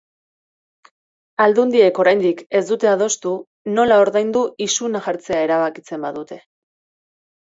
Aldundiek oraindik ez dute adostu nola ordaindu isuna jartzea erabakitzen badute.